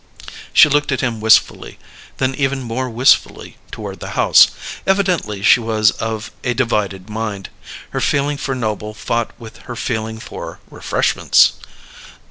She looked at him wistfully, then even more wistfully toward the house. Evidently she was of a divided mind: her feeling for Noble fought with her feeling for "refreshments."